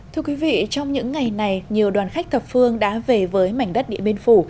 thưa quý vị trong những ngày này nhiều đoàn khách thập phương đã về với mảnh đất địa biên phủ